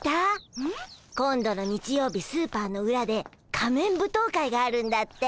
うん？今度の日曜日スーパーのうらで仮面舞踏会があるんだって。